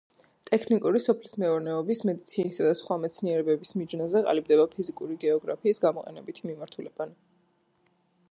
ტექნიკური, სოფლის მეურნეობის, მედიცინისა და სხვა მეცნიერებების მიჯნაზე ყალიბდება ფიზიკური გეოგრაფიის გამოყენებითი მიმართულებანი.